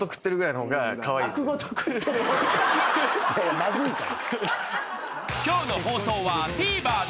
まずいから。